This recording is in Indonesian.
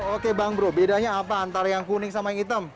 oke bang bro bedanya apa antara yang kuning sama yang hitam